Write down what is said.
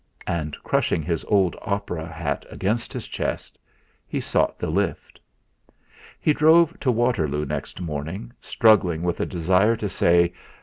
And crushing his old opera hat against his chest he sought the lift. He drove to Waterloo next morning, struggling with a desire to say